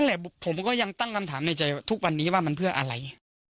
แหละผมก็ยังตั้งคำถามในใจทุกวันนี้ว่ามันเพื่ออะไร